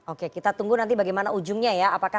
oke kita tunggu nanti bagaimana ujungnya ya